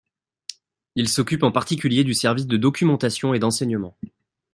Il s'occupe en particulier du service de documentation et d'enseignement.